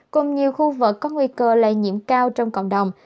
cùng nhiều khu vực có nguy cơ lây nhiễm cao trong cộng đồng